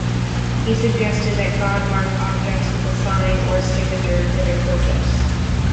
He suggested that God marked objects with a sign, or "signature", for their purpose.